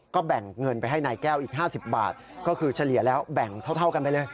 ก็แบ่งเงินไปให้นายแก้วอีก๕๐บาทก็คือเฉลี่ยแล้วแบ่งเท่ากันไปเลย